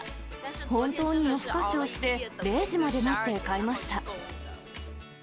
本当に夜ふかしをして、０時まで待って買いました。